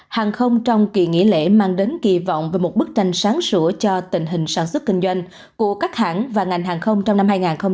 hàng không trong kỳ nghỉ lễ mang đến kỳ vọng về một bức tranh sáng sửa cho tình hình sản xuất kinh doanh của các hãng và ngành hàng không trong năm hai nghìn hai mươi